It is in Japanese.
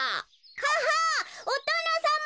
「ははっおとのさま」。